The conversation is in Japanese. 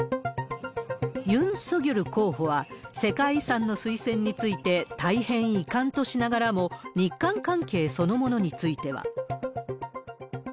ユン・ソギョル候補は、世界遺産の推薦について、大変遺憾としながらも、日韓関係そのものについては。